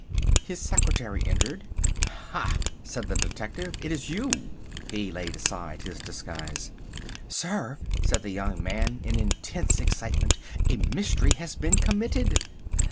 His secretary entered. "Ha," said the detective, "it is you!" He laid aside his disguise. "Sir," said the young man in intense excitement, "a mystery has been committed!"